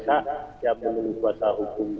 saya menggunakan kuasa hukum